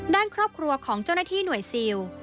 ด้านครอบครัวของเจ้าหน้าที่หน่วยซิล